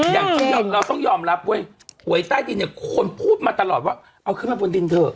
อย่างเราต้องยอมรับเว้ยหวยใต้ดินเนี่ยคนพูดมาตลอดว่าเอาขึ้นมาบนดินเถอะ